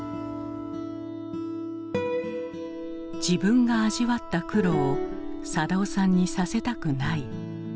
自分が味わった苦労を定男さんにさせたくない。